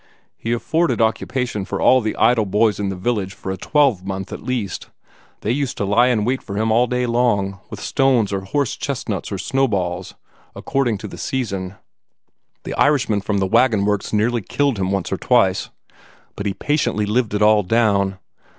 He afforded occupation for all the idle boys in the village for a twelve month at least. They used to lie in wait for him all day long, with stones or horse chestnuts or snowballs, according to the season. The Irishmen from the wagon works nearly killed him once or twice, but he patiently lived it all down.